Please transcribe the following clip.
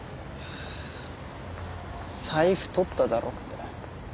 財布取っただろって。